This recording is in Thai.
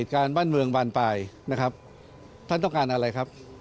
การบ้านเมืองบานปลายนะครับท่านต้องการอะไรครับ